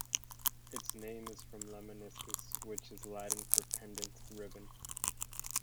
Its name is from "lemniscus", which is Latin for "pendant ribbon".